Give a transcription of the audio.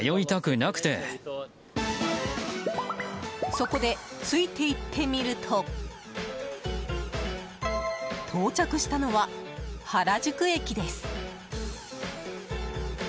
そこで、ついていってみると到着したのは原宿駅です。